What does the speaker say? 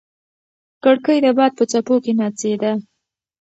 کړکۍ د باد په څپو کې ناڅېده.